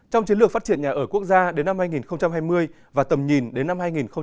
trong chiến lược phát triển nhà ở quốc gia đến năm hai nghìn hai mươi và tầm nhìn đến năm hai nghìn ba mươi